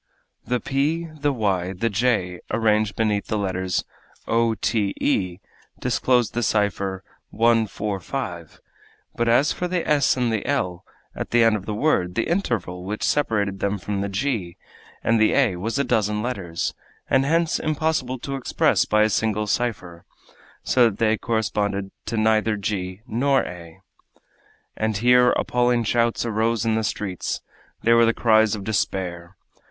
_ The p, the y, the j, arranged beneath the letters o, t, e, disclosed the cipher 1, 4, 5, but as for the s and the l at the end of the word, the interval which separated them from the g and the a was a dozen letters, and hence impossible to express by a single cipher, so that they corresponded to neither g nor a. And here appalling shouts arose in the streets; they were the cries of despair.